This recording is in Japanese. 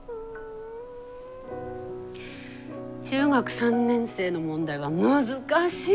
中学３年生の問題は難しい！